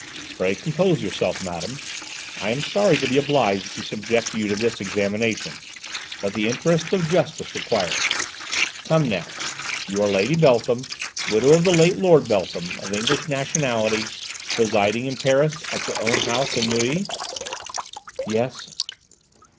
"Pray compose yourself, madame. I am sorry to be obliged to subject you to this examination, but the interests of Justice require it. Come now: you are Lady Beltham, widow of the late Lord Beltham, of English nationality, residing in Paris, at your own house in Neuilly?" "Yes."